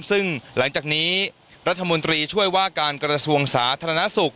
ซึ่งหลังจากนี้รัฐมนตรีช่วยว่าการกระทรวงสาธารณสุข